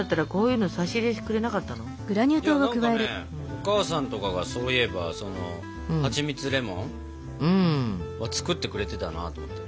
お母さんとかがそういえばそのはちみつレモンを作ってくれてたなと思って。